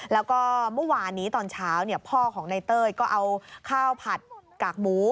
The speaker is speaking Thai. แล้วก็เมื่อวานนี้ตอนเช้าพ่อของในเต้ยก็เอาข้าวผัดกากหมู